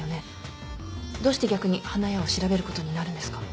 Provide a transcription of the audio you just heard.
どうして逆に花屋を調べることになるんですか？